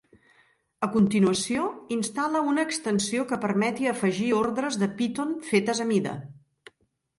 A continuació, instal·la una extensió que permeti afegir ordres de Python fetes a mida.